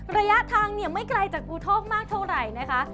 ระยะทางเนี่ยไม่ไกลจากอูโทกมากเท่าไหร่นะคะ